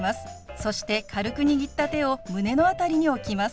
そして軽く握った手を胸の辺りに置きます。